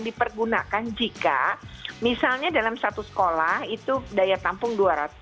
dipergunakan jika misalnya dalam satu sekolah itu daya tampung dua ratus